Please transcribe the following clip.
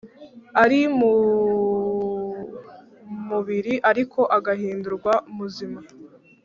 ari mu mubiri ariko agahindurwa muzima